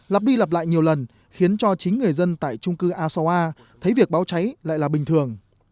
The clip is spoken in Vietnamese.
lặp đi lặp lại nhiều lần khiến cho chính người dân tại trung cư asoa thấy việc báo cháy lại là bình thường